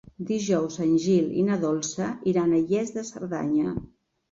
Dijous en Gil i na Dolça iran a Lles de Cerdanya.